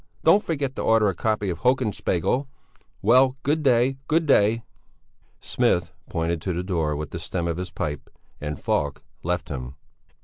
Don't forget to order a copy of Hoken Spegel! Well, good day, good day." Smith pointed to the door with the stem of his pipe and Falk left him.